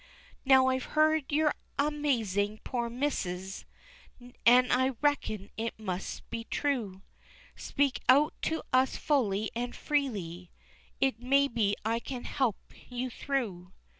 "Now, I've heard you're mazin' poor, Missus, An' I reckon it must be true, Speak out to us fully and freely, It maybe I can help you through."